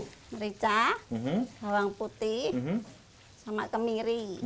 merica bawang putih sama kemiri